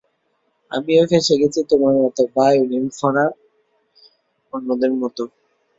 আমিও ফেঁসে গেছি তোমার মতো, বা ইউনিফর্ম পড়া অন্যদের মতো।